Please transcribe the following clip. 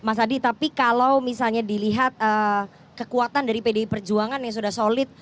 mas adi tapi kalau misalnya dilihat kekuatan dari pdi perjuangan yang sudah solid